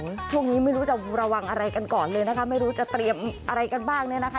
ช่วงนี้ไม่รู้จะระวังอะไรกันก่อนเลยนะคะไม่รู้จะเตรียมอะไรกันบ้างเนี่ยนะคะ